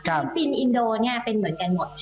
ปริมปริมอินโดเป็นเหมือนกันหมด